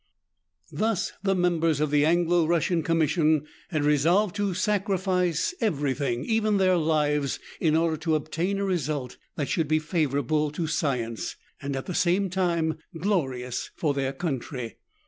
Thus the members of the Anglo Russian Commission had re solved to sacrifice every thing, even their lives, in order to obtain a result that should be favourable to science, and at the same time glorious for their country.